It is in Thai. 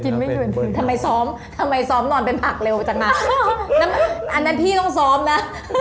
ไม่คืนทำไมซ้อมทำไมซ้อมนอนเป็นผักเร็วจังอ่ะอันนั้นพี่ต้องซ้อมนะ